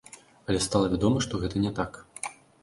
Але стала вядома, што гэта не так.